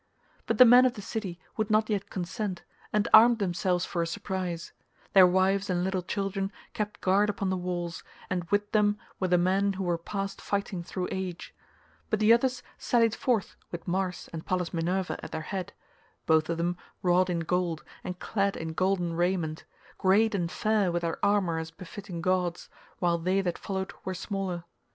But the men of the city would not yet consent, and armed themselves for a surprise; their wives and little children kept guard upon the walls, and with them were the men who were past fighting through age; but the others sallied forth with Mars and Pallas Minerva at their head—both of them wrought in gold and clad in golden raiment, great and fair with their armour as befitting gods, while they that followed were smaller.